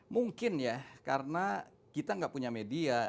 mungkin ya karena kita nggak punya media